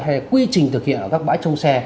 hay quy trình thực hiện ở các bãi trông xe